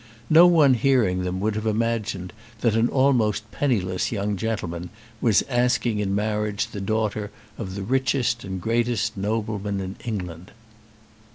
No one hearing them would have imagined that an almost penniless young gentleman was asking in marriage the daughter of the richest and greatest nobleman in England.